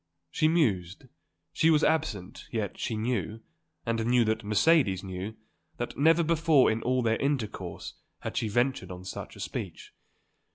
She mused, she was absent, yet she knew, and knew that Mercedes knew, that never before in all their intercourse had she ventured on such a speech.